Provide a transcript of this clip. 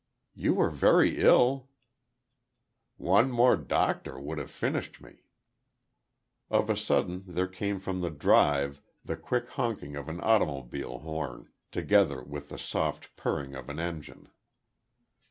"You were very ill." "One more doctor would have finished me." Of a sudden, there came from the drive the quick honking of an automobile horn, together with the soft purring of an engine.